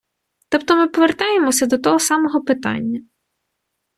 Тобто ми повертаємося до того самого питання.